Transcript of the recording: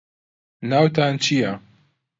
ناوتان چییە؟